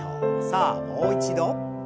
さあもう一度。